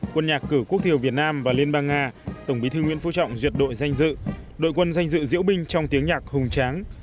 quân nhạc cử quốc thiều việt nam và liên bang nga tổng bí thư nguyễn phú trọng duyệt đội danh dự đội quân danh dự diễu binh trong tiếng nhạc hùng tráng